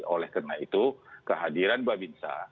oleh karena itu kehadiran babinsa